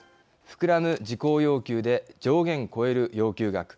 膨らむ事項要求で上限超える要求額。